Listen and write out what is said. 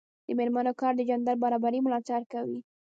د میرمنو کار د جنډر برابري ملاتړ کوي.